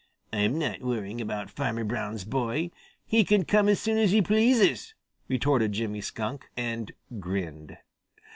"I'm not worrying about Farmer Brown's boy. He can come as soon as he pleases," retorted Jimmy Skunk, and grinned.